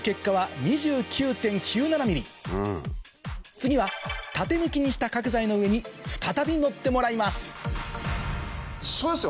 次は縦向きにした角材の上に再び乗ってもらいます一緒ですよ